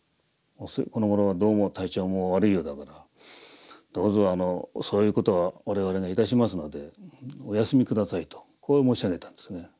「このごろどうも体調もお悪いようだからどうぞそういうことは我々が致しますのでお休み下さい」とこう申し上げたんですね。